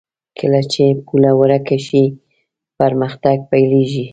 کله چې پوله ورکه شي، پرمختګ پيلېږي.